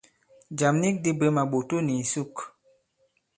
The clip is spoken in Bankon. Jàm nik dī bwě màɓòto nì ìsuk.